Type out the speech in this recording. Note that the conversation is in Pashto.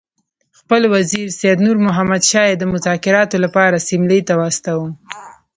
خپل وزیر سید نور محمد شاه یې د مذاکراتو لپاره سیملې ته واستاوه.